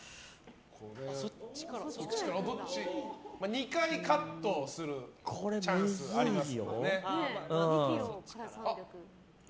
２回カットするチャンスがあります。